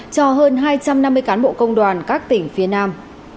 cho hơn hai trăm năm mươi cán bộ công đoàn các tỉnh phía nam